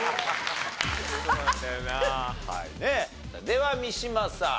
では三島さん。